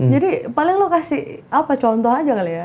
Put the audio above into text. jadi paling lo kasih contoh aja kali ya